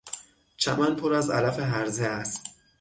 چمن پر از علف هرزه است.